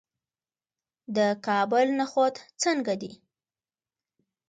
د کابل نخود څنګه دي؟